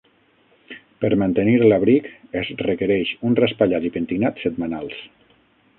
Per mantenir l'abric, es requereix un raspallat i pentinat setmanals.